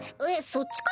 えっ